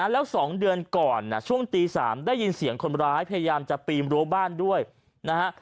แล้ว๒เดือนก่อนช่วงตี๓ได้ยินเสียงคนร้ายพยายามจะปีนรั้วบ้านด้วยนะฮะ